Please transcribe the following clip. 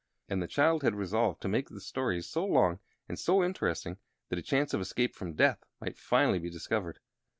And the child had resolved to make the stories so long and so interesting that a chance of escape from death might finally be discovered.